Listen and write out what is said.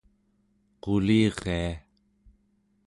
quliria